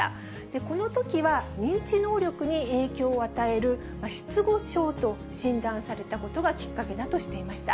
このときは認知能力に影響を与える失語症と診断されたことがきっかけだとしていました。